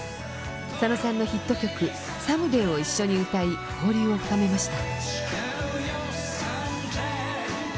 佐野さんのヒット曲「ＳＯＭＥＤＡＹ」を一緒に歌い交流を深めました。